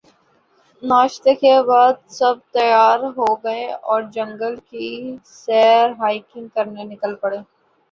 ناشتے کے بعد سب تیار ہو گئے اور جنگل کی سیر ہائیکنگ کرنے نکل پڑے